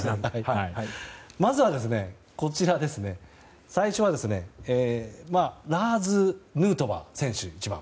まず最初は１番、ラーズ・ヌートバー選手。